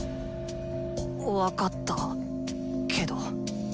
分かったけど。